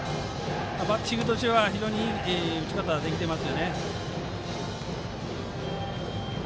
バッティングとしては非常にいい打ち方ができています。